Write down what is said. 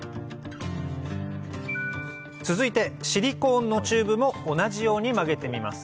続いてシリコーンのチューブも同じように曲げてみます